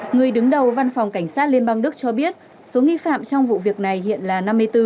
người đứng đầu văn phòng cảnh sát liên bang đức cho biết số nghi phạm trong vụ việc này hiện là năm mươi bốn